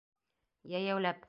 Йәйәүләп.